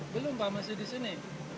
belum pak masih di sini